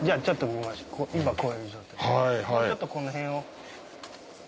もうちょっとこの辺を。